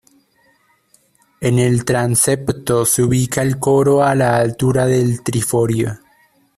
En el transepto se ubica el coro a la altura del triforio.